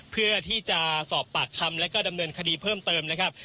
เพื่อที่จะสอบปากคำแล้วก็ดำเนินคดีเพิ่มเติมนะครับ